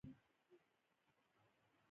را باندې شکمن شي، دماغ مې اشارې راته کولې.